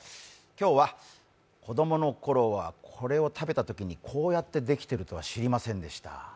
今日は子供のころはこれを食べたときにこうやってできているとは知りませんでした。